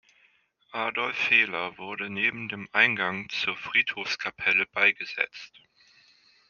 Adolf Fehler wurde neben dem Eingang zur Friedhofskapelle beigesetzt.